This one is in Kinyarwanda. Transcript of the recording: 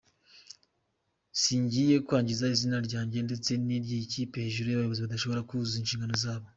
Sinjiye kwangiza izina ryanjye ndetse niryi ikipe hejuru y'abayobozi badashobora kuzuza inshingano zabo.